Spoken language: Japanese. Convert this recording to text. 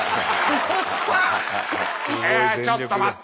いやあちょっと待って！